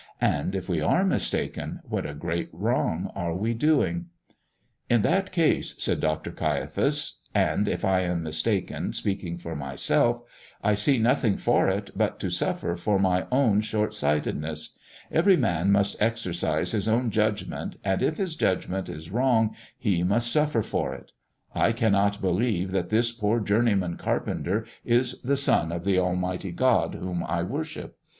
And, if we are mistaken, what a great wrong are we doing!" "In that case," said Dr. Caiaphas, "and, if I am mistaken, speaking for myself, I see nothing for it but to suffer for my own short sightedness. Every man must exercise his own judgment, and if his judgment is wrong he must suffer for it. I cannot believe that this poor journeyman carpenter is the son of the Almighty God whom I worship.